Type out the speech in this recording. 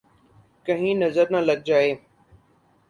!کہیں نظر نہ لگ جائے